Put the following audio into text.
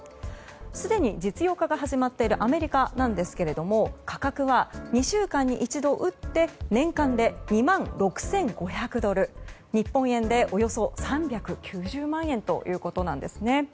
すでに実用化が始まっているアメリカですが価格は、２週間に一度打って年間で２万６５００ドル日本円でおよそ３９０万円ということなんですね。